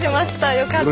よかった。